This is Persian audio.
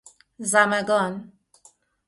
زمگان